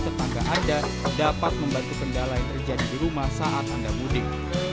tetangga anda dapat membantu kendala yang terjadi di rumah saat anda mudik